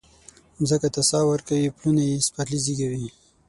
مځکې ته ساه ورکوي پلونه یي سپرلي زیږوي